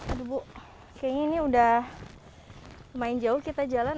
aduh bu kayaknya ini udah lumayan jauh kita jalan